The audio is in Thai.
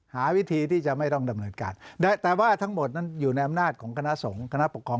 หาวิธีที่จะไม่ต้องดำเนินการแต่ว่าทั้งหมดนั้นอยู่ในอำนาจของคณะสงฆ์คณะปกครอง